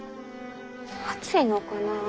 暑いのかな？